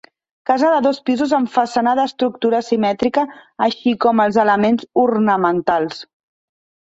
Casa de dos pisos amb façana d'estructura simètrica així com els elements ornamentals.